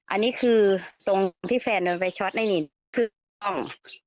อันนี้คือตรงที่แฟนโดนไฟช็อตไอ้นี่คือกล้อง